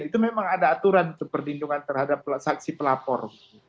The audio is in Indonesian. itu memang ada aturan untuk perlindungan terhadap saksi pelapor